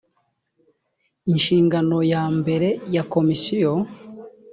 inshingano ya mbere ya komisiyo